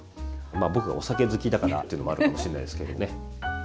まあ僕がお酒好きだからというのもあるかもしれないですけどね。